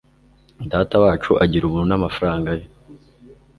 datawacu agira ubuntu n'amafaranga ye